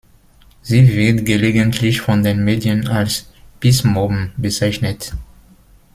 Sie wird gelegentlich von den Medien als „Peace Mom“ bezeichnet.